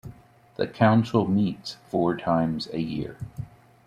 The council meets four times a year.